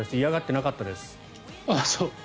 嫌がってなかったです。